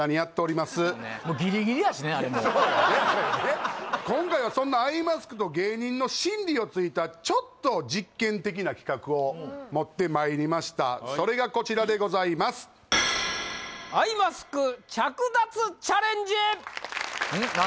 もうそうやであれね今回はそんなアイマスクと芸人の心理を突いたちょっと実験的な企画を持ってまいりましたそれがこちらでございますうん？